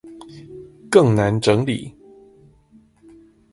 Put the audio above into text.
更難整理